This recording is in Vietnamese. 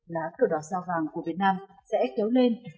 lá cờ đỏ sao vàng của việt nam sẽ kéo lên